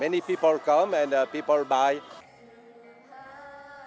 nhiều người đến và nhiều người mua